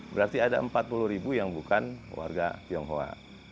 berarti ada empat puluh ribu yang bukan warga tionghoa